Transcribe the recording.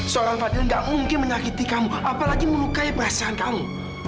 seorang fadil gak mungkin menyakiti kamu apalagi melukai perasaan kamu